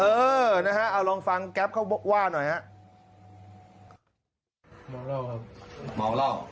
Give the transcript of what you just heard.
เออเออนะฮะเอาลองฟังแก๊ปเขาว่าหน่อยฮะ